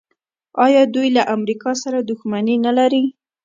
آیا دوی له امریکا سره دښمني نلري؟